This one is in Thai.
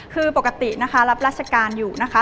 คือปกตินะคะรับราชการอยู่นะคะ